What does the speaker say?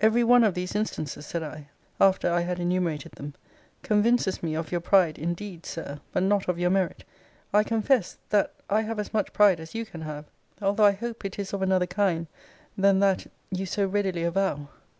Every one of these instances, said I, (after I had enumerated them) convinces me of your pride indeed, Sir, but not of your merit. I confess, that I have as much pride as you can have, although I hope it is of another kind than that you so readily avow.